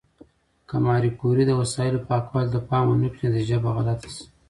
که ماري کوري د وسایلو پاکوالي ته پام ونه کړي، نتیجه به غلطه شي.